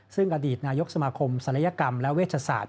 ซึ่งอดีตนายกสมาคมศัลยกรรมและเวชศาส